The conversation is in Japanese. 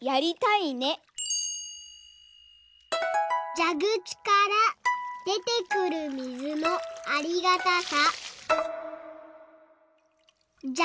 「じゃぐちからでてくるみずのありがたさ」。